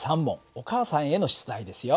お母さんへの出題ですよ。